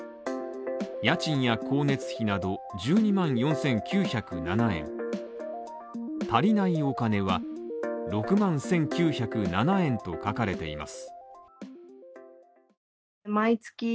家賃や光熱費など１２万４９０７円足りないお金は６万１９０７円と書かれています。